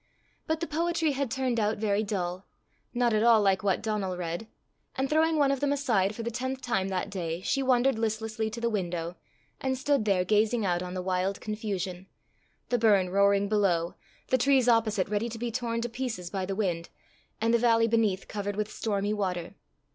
But the poetry had turned out very dull not at all like what Donal read, and throwing one of them aside for the tenth time that day, she wandered listlessly to the window, and stood there gazing out on the wild confusion the burn roaring below, the trees opposite ready to be torn to pieces by the wind, and the valley beneath covered with stormy water.